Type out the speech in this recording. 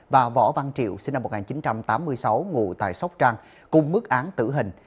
và võ văn triệu sinh năm một nghìn chín trăm tám mươi sáu ngủ tại sóc trăng cùng mức án tử hình